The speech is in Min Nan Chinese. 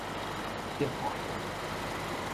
德化